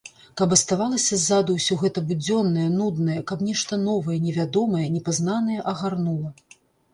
Каб аставалася ззаду ўсё гэта будзённае, нуднае, каб нешта новае, невядомае, непазнанае агарнула.